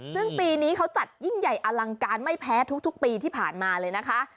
ซึ่งปีนี้เขาจัดยิ่งใหญ่อลังการไม่แพ้ทุกปีที่ผ่านมาเลยนะคะ